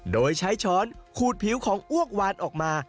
โดยใช้ช้อนขูดผิวของอ้วกวานออกมา